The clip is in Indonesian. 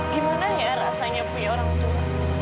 gimana ya rasanya punya orang tua